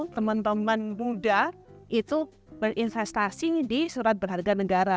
teman teman muda itu berinvestasi di surat berharga negara